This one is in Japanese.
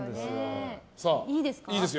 いいですか。